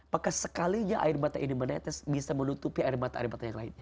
maka sekalinya air mata ini menetes bisa menutupi air mata air mata yang lainnya